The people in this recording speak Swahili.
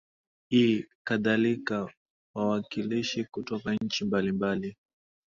i kadhalika wawakilishi kutoka nchi mbalimbali